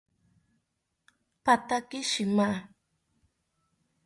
Pathaki shima